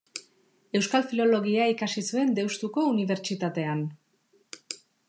Euskal Filologia ikasi zuen Deustuko Unibertsitatean.